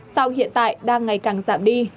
sau hiện tại đang ngày càng giảm đi